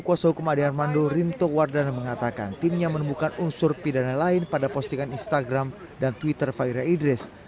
kuasa hukum ade armando rinto wardana mengatakan timnya menemukan unsur pidana lain pada postingan instagram dan twitter faira idris